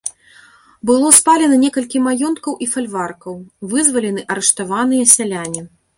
Было спалена некалькі маёнткаў і фальваркаў, вызвалены арыштаваныя сяляне.